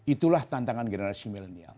itulah tantangan generasi millennial